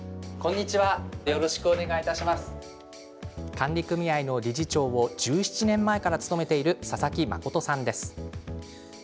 管理組合の理事長を１７年前から務めている佐々木允さんです。